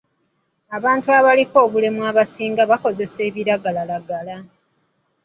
Abantu abaliko obulemu abasinga bakozesa ebiragalalagala.